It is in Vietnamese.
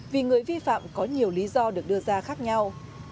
vì người vi phạm có nhiều lý do được đưa ra khác nhau